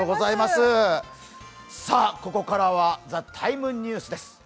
ここからは「ＴＨＥＴＩＭＥ，ニュース」です。